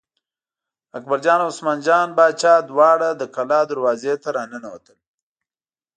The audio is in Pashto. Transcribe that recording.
اکبرجان او عثمان جان باچا دواړه د کلا دروازې ته را ننوتل.